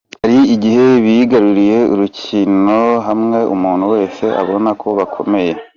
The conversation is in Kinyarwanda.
"Hari igihe bigaruriye urukino hamwe umuntu wese abona ko bakomeye.